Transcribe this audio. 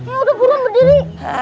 eh udah burung berdiri